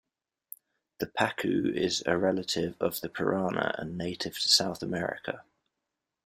The Pacu is a relative of the Pirana and native to South America.